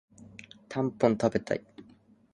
たんぽん食べたい